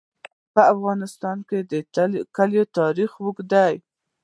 په افغانستان کې د کلي تاریخ اوږد دی.